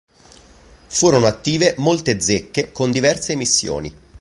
Furono attive molte zecche con diverse emissioni.